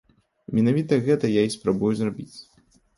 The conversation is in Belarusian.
Менавіта гэта я і спрабую зрабіць.